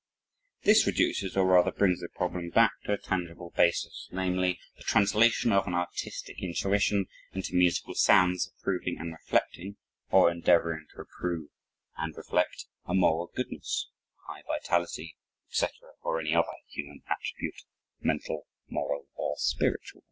This reduces, or rather brings the problem back to a tangible basis namely: the translation of an artistic intuition into musical sounds approving and reflecting, or endeavoring to approve and reflect, a "moral goodness," a "high vitality," etc., or any other human attribute mental, moral, or spiritual.